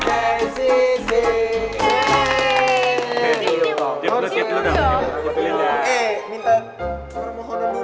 eh minta permohonan